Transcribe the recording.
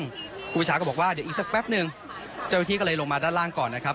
ครูปีชาก็บอกว่าเดี๋ยวอีกสักแป๊บหนึ่งเจ้าหน้าที่ก็เลยลงมาด้านล่างก่อนนะครับ